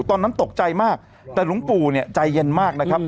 ตอนนั้นตกใจมากแต่หลวงปู่เนี่ยใจเย็นมากนะครับ